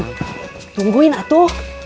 kang tungguin aku